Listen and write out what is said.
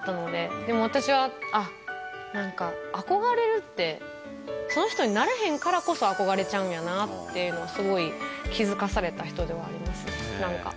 でも私は、あっ、なんか、憧れるってその人になれへんからこそ憧れちゃうんやなっていうのはすごい気付かされた人ではあります、なんか。